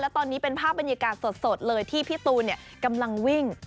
ตอนนี้เป็นภาพบรรยากาศสดเลยที่พี่ตูนกำลังวิ่ง